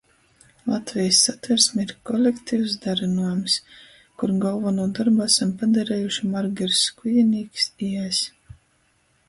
Latvejis Satversme ir kolektivs darynuojums, kur golvonū dorbu asam padarejuši Margers Skujinīks i es,